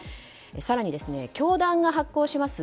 更に、教団が発行します